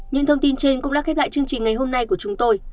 những thông tin trên cũng đã khép lại chương trình ngày hôm nay của chúng tôi